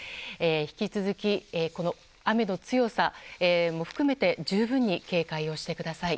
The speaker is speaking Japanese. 引き続き、雨の強さも含めて十分に警戒をしてください。